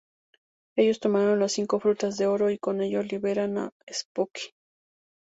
Ellos tomaron las cinco Frutas de oro, y con ello liberan a Spooky.